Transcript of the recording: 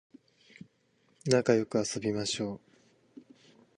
なかよく遊びましょう